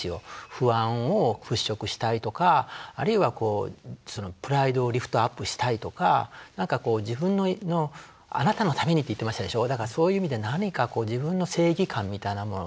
不安を払拭したいとかあるいはプライドをリフトアップしたいとか何かこう自分の「あなたのために」って言ってましたでしょう。